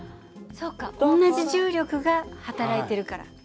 そっか同じ重力が働いてるから。